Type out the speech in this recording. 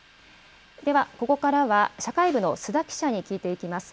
では、ここからは社会部の須田記者に聞いていきます。